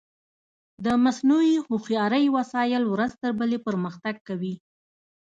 د مصنوعي هوښیارۍ وسایل ورځ تر بلې پرمختګ کوي.